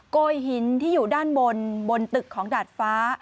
โกยหินที่อยู่ด้านบนบนตึกของดาดฟ้า